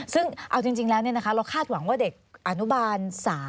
ซึ่งเอาจริงแล้วเราคาดหวังว่าเด็กอนุบาล๓